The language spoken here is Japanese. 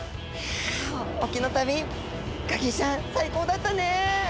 隠岐の旅ガキィちゃん最高だったね！